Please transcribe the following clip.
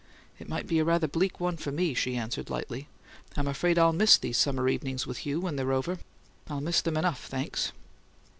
"It might be a rather bleak one for me," she answered, lightly. "I'm afraid I'll miss these summer evenings with you when they're over. I'll miss them enough, thanks!"